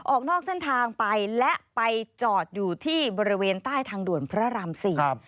ออกนอกเส้นทางไปและไปจอดอยู่ที่บริเวณใต้ทางด่วนพระรามสี่